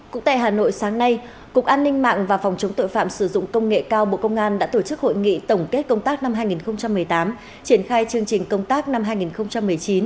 cũng tại hà nội sáng nay cục an ninh mạng và phòng chống tội phạm sử dụng công nghệ cao bộ công an đã tổ chức hội nghị tổng kết công tác năm hai nghìn một mươi tám triển khai chương trình công tác năm hai nghìn một mươi chín